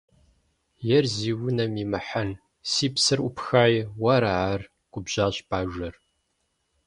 – Ер зи унэм имыхьэн, си псэр Ӏупхаи, уэра ар? – губжьащ Бажэр.